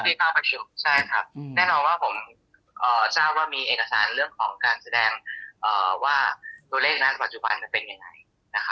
ในการที่ผ้าประชุมใช่ครับแน่นอนว่าผม